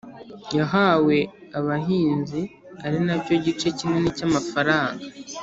yahawe abahinzi ari nacyo gice kinini cy’amafaranga